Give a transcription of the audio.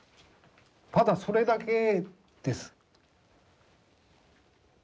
ただそれだけです。